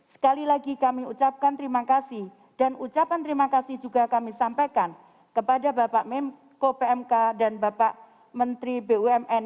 sekali lagi kami ucapkan terima kasih dan ucapan terima kasih juga kami sampaikan kepada bapak memko pmk dan bapak menteri bumn